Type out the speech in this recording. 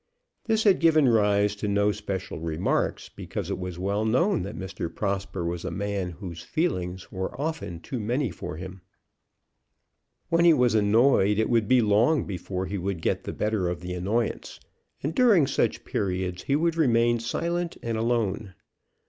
This had given rise to no special remarks, because it was well known that Mr. Prosper was a man whose feelings were often too many for him. When he was annoyed it would be long before he would get the better of the annoyance; and during such periods he would remain silent and alone.